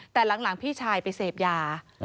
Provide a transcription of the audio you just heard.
แต่หลังพี่ชายไปเสพยา